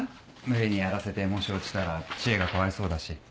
無理にやらせてもし落ちたら知恵がかわいそうだし。